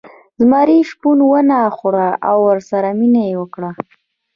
زمري شپون ونه خوړ او ورسره مینه یې وکړه.